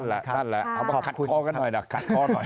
นั่นแหละขัดข้อกันหน่อยนะ